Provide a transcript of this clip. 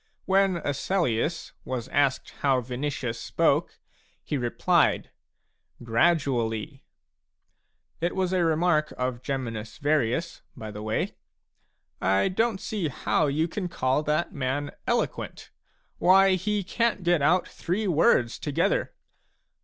When Asellius was asked how Vinicius spoke, he replied :" Gradually "! (It was a remark of Geminus Varius, by the way :" I don't see how you can call that man 6 eloquent '; why, he can't get out three words together.")